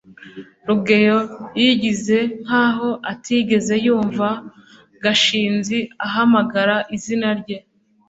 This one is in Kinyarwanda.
rugeyo yigize nkaho atigeze yumva gashinzi ahamagara izina rye